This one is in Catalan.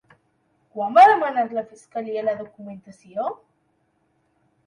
Quan va demanar la fiscalia la documentació?